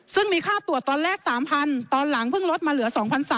ซึ่งมีค่าตรวจตอนแรก๓๐๐ตอนหลังเพิ่งลดมาเหลือ๒๓๐๐